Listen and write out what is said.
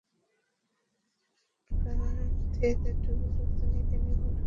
কারণ, থিয়েটারে ঢুকে লোকজন ইদানীং মুঠোফোনে ভিডিও করে নেন মঞ্চ পরিবেশনা।